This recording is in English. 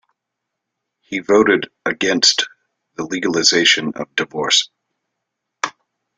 He voted against the legalization of divorce.